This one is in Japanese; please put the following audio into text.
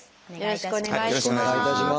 よろしくお願いします。